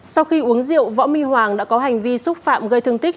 sau khi uống rượu võ minh hoàng đã có hành vi xúc phạm gây thương tích